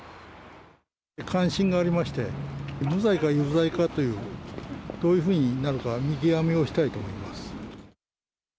関心がありまして無罪か有罪かというどういうふうになるか見極めをしたいと思います。